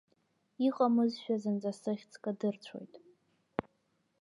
Иҟамызшәа зынӡа сыхьӡ кадырцәоит.